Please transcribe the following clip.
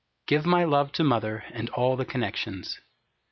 Give my love to Mother, and all the connections.